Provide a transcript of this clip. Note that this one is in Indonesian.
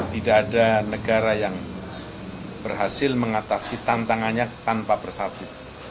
tidak ada negara yang berhasil mengatasi tantangannya tanpa bersatu